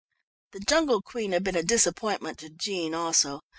The Jungle Queen had been a disappointment to Jean also.